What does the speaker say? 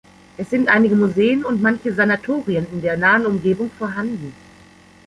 Es sind einige Museen und manche Sanatorien in der nahen Umgebung vorhanden.